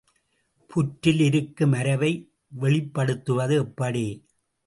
புற்றில் இருக்கும் அரவை வெளிப்படுத்துவது எப்படி?